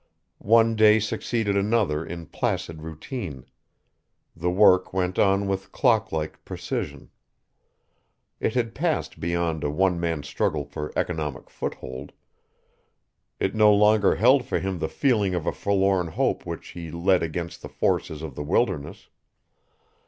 One day succeeded another in placid routine. The work went on with clock like precision. It had passed beyond a one man struggle for economic foothold; it no longer held for him the feeling of a forlorn hope which he led against the forces of the wilderness.